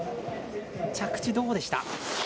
着地どうでした？